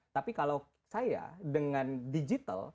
tapi kalau saya dengan digital